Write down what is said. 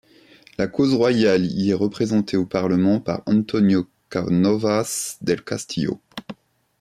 La cause royale y est représentée au Parlement par Antonio Cánovas del Castillo.